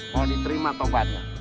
mau diterima tobatnya